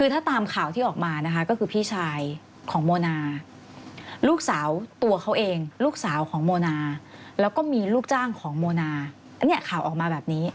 ถ้าตามข่าวที่ออกมานะคะก็คือพี่ชายของโมนาลูกสาวตัวเขาเองลูกสาวของโมนาแล้วก็มีลูกจ้างของโมนาอันนี้ข่าวออกมาแบบนี้